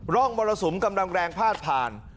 ร่องมรสุมกำลังแรงพาดผ่าน